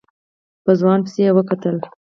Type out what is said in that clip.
په ځوان پسې يې وکتل.